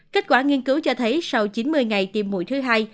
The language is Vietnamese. kết quả nghiên cứu cho thấy sau chín mươi ngày tiêm mũi thứ hai